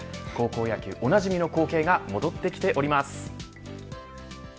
高校野球おなじみの光景が戻ってきております。